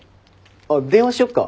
あっ電話しよっか？